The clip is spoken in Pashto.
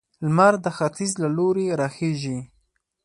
لمر د ختيځ له لوري راخيژي